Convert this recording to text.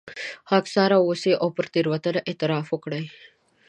خاکساره واوسئ او پر تېروتنه اعتراف وکړئ.